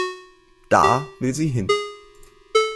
Da will sie hin.